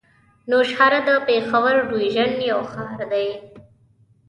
نوشهره د پېښور ډويژن يو ښار دی.